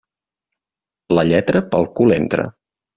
La lletra, pel cul entra.